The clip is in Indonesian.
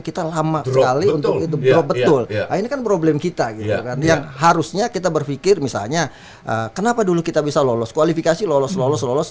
kan yang harusnya kita berpikir misalnya kenapa dulu kita bisa lolos kualifikasi lolos lolos lolos